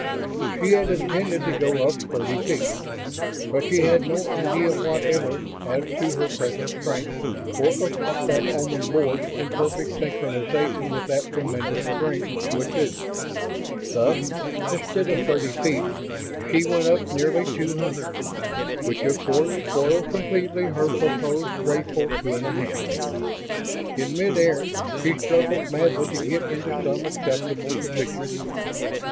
She had intended to go up thirty feet. But she had no idea whatever as to her present strength, or of what that Oman board, in perfect synchronization with that tremendous strength, would do. Thus, instead of thirty feet, she went up very nearly two hundred; which of course spoiled completely her proposed graceful two and a half. In midair she struggled madly to get into some acceptable position.